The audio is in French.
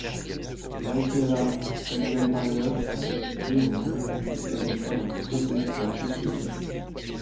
Michaela Engelmeier a étudié en économie et détient un diplôme d’éducatrice d’État.